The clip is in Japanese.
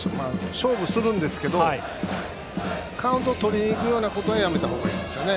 勝負するんですけどカウントをとりにいくようなことはやめた方がいいですよね。